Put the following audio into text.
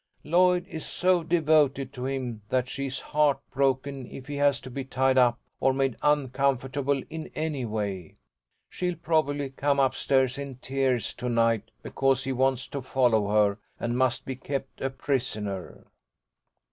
Lloyd is so devoted to him that she is heartbroken if he has to be tied up or made uncomfortable in any way. She'll probably come up stairs in tears to night because he wants to follow her, and must be kept a prisoner."